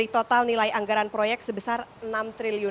selain anggaran proyek sebesar enam triliun